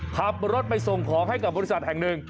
ขับรถไปส่งของให้กับบริษัทแห่งหนึ่ง